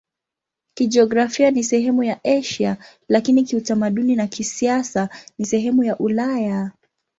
Kijiografia ni sehemu ya Asia, lakini kiutamaduni na kisiasa ni sehemu ya Ulaya.